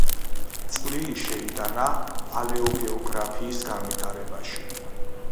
წვლილი შეიტანა პალეოგეოგრაფიის განვითარებაში.